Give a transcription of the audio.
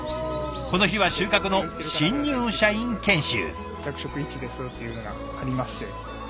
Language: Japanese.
この日は収穫の新入社員研修。